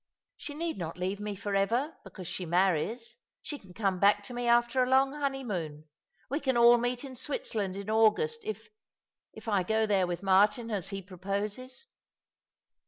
, "She need not leave me for ever, because she marries. She can come back to me after a long honeymoon. We can all meet in Switzerland in August — if— if I go there with Martin, as he proposes."